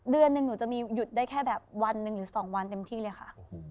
เดือนหนึ่งหนูจะมีหยุดได้แค่แบบวันหนึ่งหรือ๒วันเต็มที่เลยค่ะ